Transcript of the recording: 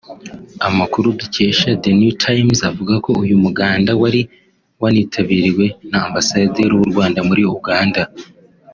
Amakuru dukesha The New Times avuga ko uyu muganda wari wanitabiriwe na Ambasaderi w’u Rwanda muri Uganda